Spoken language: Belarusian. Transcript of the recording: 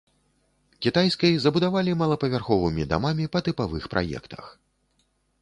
Кітайскай забудавалі малапавярховымі дамамі па тыпавых праектах.